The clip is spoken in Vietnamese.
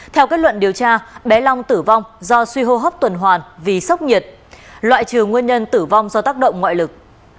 theo kết luận điều tra bé long tử vong do suy hô hấp tuần hoàn vì sốc nhiệt loại trừ nguyên nhân tử vong do tác động ngoại lực